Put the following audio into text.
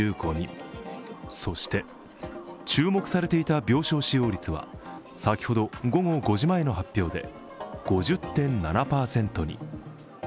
そして注目されていた病床使用率は先ほど午後５時前の発表で５０．７％に。